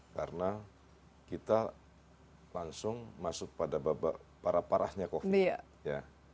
karena kita langsung masuk pada para parahnya covid